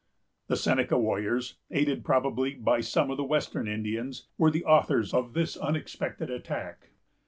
The Seneca warriors, aided probably by some of the western Indians, were the authors of this unexpected attack.